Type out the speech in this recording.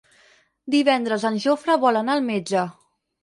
Divendres en Jofre vol anar al metge.